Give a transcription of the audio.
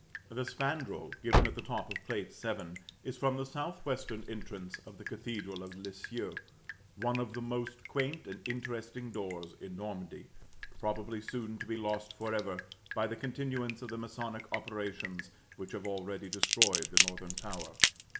The spandril, given at the top of Plate VII., is from the southwestern entrance of the Cathedral of Lisieux; one of the most quaint and interesting doors in Normandy, probably soon to be lost forever, by the continuance of the masonic operations which have already destroyed the northern tower.